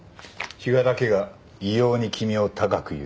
比嘉だけが異様に君を高く言った。